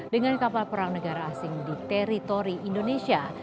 dengan kapal perang negara asing di teritori indonesia